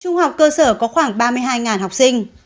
trung học cơ sở có khoảng ba mươi hai học sinh